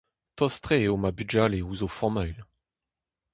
Tost-tre eo ma bugale ouzh o familh.